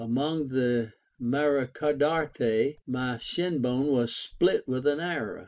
Among the Maracadartae my shinbone was split with an arrow.